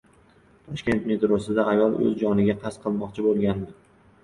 Toshkent metrosida ayol o‘z joniga qasd qilmoqchi bo‘lganmi?